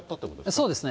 そうですね。